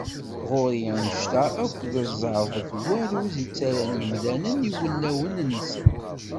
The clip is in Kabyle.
Ɣur-i anect-a akk d ẓẓerb d warruz i ttarran yimdanen i wulawen-nsen.